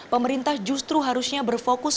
pemerintah justru harusnya berfokus